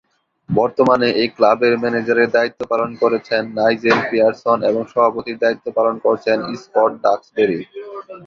বর্তমানে এই ক্লাবের ম্যানেজারের দায়িত্ব পালন করছেন নাইজেল পিয়ারসন এবং সভাপতির দায়িত্ব পালন করছেন স্কট ডাক্সবেরি।